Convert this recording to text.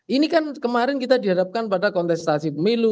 ini kan kemarin kita dihadapkan pada kontestasi pemilu